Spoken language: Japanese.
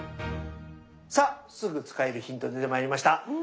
さあすぐ使えるヒント出てまいりました。